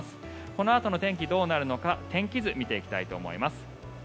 このあとの天気どうなるのか天気図を見ていきたいと思います。